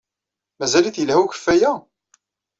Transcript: Mazal-it yelha ukeffay-a?